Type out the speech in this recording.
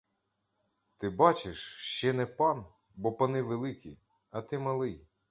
Ти, бачиш, ще не пан, бо пани великі, а ти малий.